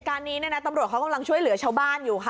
การนี้เนี่ยนะตำรวจเขากำลังช่วยเหลือชาวบ้านอยู่ค่ะ